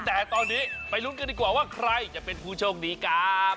แต่ตอนนี้ไปลุ้นกันดีกว่าว่าใครจะเป็นผู้โชคดีครับ